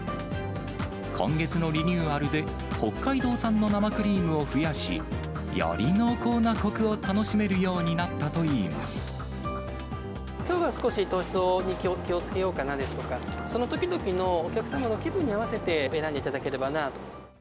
今月のリニューアルで、北海道産の生クリームを増やし、より濃厚なこくを楽しめるようにきょうは少し糖質に気をつけようかなですとか、そのときどきのお客様の気分に合わせて、選んでいただければなと。